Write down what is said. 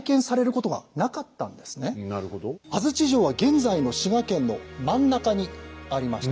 安土城は現在の滋賀県の真ん中にありました。